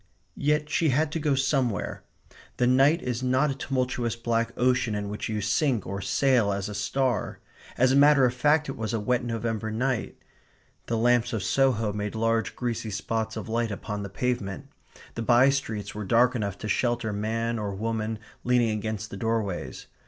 Yet she had to go somewhere. The night is not a tumultuous black ocean in which you sink or sail as a star. As a matter of fact it was a wet November night. The lamps of Soho made large greasy spots of light upon the pavement. The by streets were dark enough to shelter man or woman leaning against the doorways.